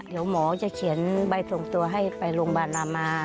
เดี๋ยวหมอจะเขียนใบส่งตัวให้ไปโรงพยาบาลรามา